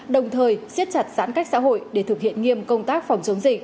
đồng thời xiết chặt giãn cách xã hội để thực hiện nghiêm công tác phòng chống dịch